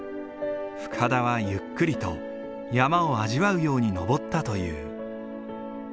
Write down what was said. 深田はゆっくりと山を味わうように登ったという。